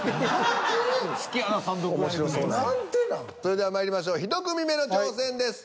それではまいりましょう１組目の挑戦です。